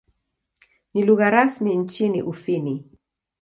Ni lugha rasmi nchini Ufini.